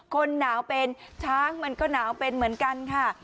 คนหนาวเป็นช้างมันก็หนาวเป็นเหมือนกันค่ะ